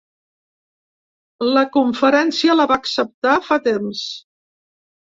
La conferència la va acceptar fa temps.